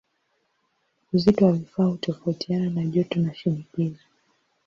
Uzito wa vifaa hutofautiana na joto na shinikizo.